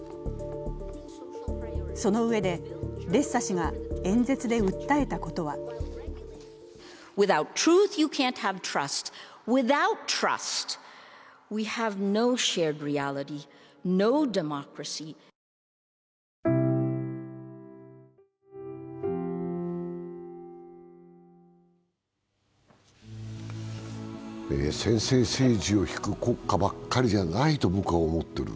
そのうえで、レッサ氏が演説で訴えたことは専制政治をひく国家ばっかりじゃないと僕は思ってる。